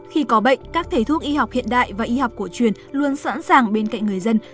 khi có bệnh các thầy thuốc y học hiện đại và y học cổ truyền luôn sẵn sàng bên cạnh người dân